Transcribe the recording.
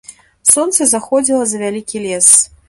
Сонца заходзіла за вялікі лес.